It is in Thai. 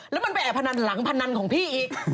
แล้วมันไปแอบพนันหลังพนันของพี่อีก